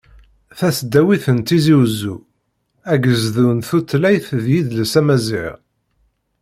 Tasdawit n Tizi Uzzu, agezdu n tutlayt d yidles amaziɣ.